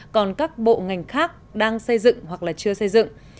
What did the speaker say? còn các bộ ngành khác đang xây dựng hoặc là chưa xây dựng